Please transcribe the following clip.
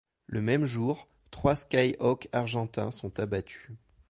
Le même jour, trois Skyhawk argentins sont abattus.